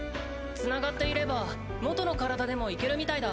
・繋がっていれば元の体でもいけるみたいだ。